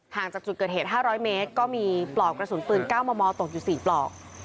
จากจุดเกิดเหตุ๕๐๐เมตรก็มีปลอกกระสุนปืน๙มมตกอยู่๔ปลอก